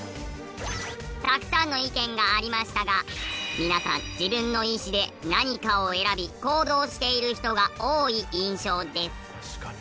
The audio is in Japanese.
たくさんの意見がありましたが皆さん自分の意思で何かを選び行動している人が多い印象です。